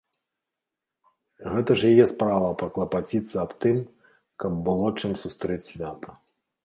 Гэта ж яе справа паклапаціцца аб тым, каб было чым сустрэць свята.